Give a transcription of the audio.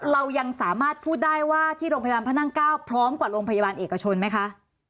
เรายังสามารถพูดได้ว่าที่โรงพยาบาลพระนั่ง๙พร้อมกว่าโรงพยาบาลเอกชนไหมคะ